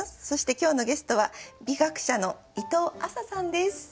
そして今日のゲストは美学者の伊藤亜紗さんです。